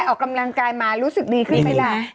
ออกกำลังกายมารู้สึกดีขึ้นไหมล่ะ